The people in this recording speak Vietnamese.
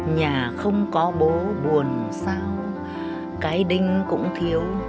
nhà không có bố buồn sao cái đinh cũng thiếu